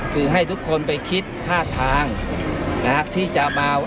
คือให้ทุกคนไปคิดท่าทางที่จะมา